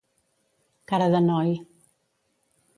Cara de noi.